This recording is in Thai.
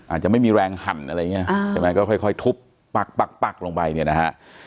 อาจจะไม่มีแรงหั่นอะไรอย่างนี้ใช่ไหมก็ค่อยทุบปักปักลงไปเนี่ยนะฮะ